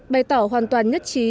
bày tỏ hoàn toàn nhất trí